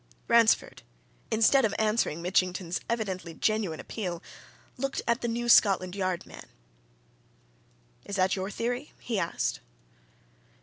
Ransford, instead of answering Mitchington's evidently genuine appeal, looked at the New Scotland Yard man. "Is that your theory?" he asked.